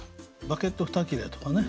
「バゲット２切れ」とかね